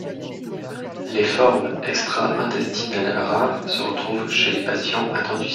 Les formes extra-intestinales, rares, se retrouvent chez les patients atteints de sida.